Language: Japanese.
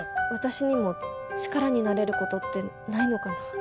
私にも力になれることってないのかな？